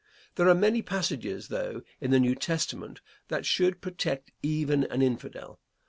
There are many passages, though, in the New Testament, that should protect even an Infidel.